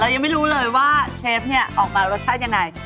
ยังไม่รู้เลยว่าเชฟเนี่ยออกมารสชาติยังไง